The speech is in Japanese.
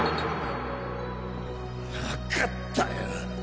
わかったよ。